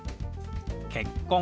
「結婚」。